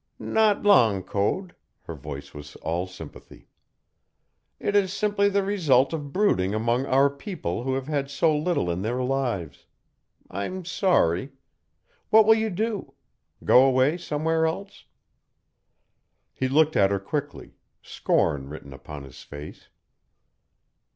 "Not long, Code." Her voice was all sympathy. "It is simply the result of brooding among our people who have so little in their lives. I'm sorry. What will you do? Go away somewhere else?" He looked at her quickly scorn written upon his face.